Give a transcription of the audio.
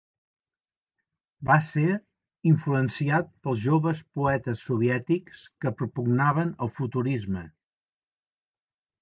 Va ser influenciat pels joves poetes soviètics que propugnaven el Futurisme.